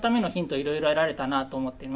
いろいろ得られたなと思っています。